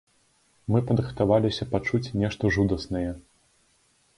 Мы падрыхтаваліся пачуць нешта жудаснае.